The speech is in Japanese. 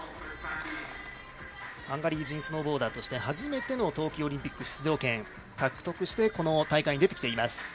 ハンガリー人のスノーボーダーとして初めて冬季オリンピック出場権を獲得して、この大会に出ています